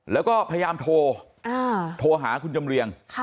แล้วก็พยายามโทรหาคุณจำเรียง